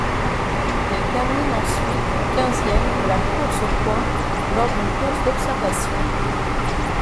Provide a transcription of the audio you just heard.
Elle termine ensuite quinzième de la course aux points lors d'une course d'observation.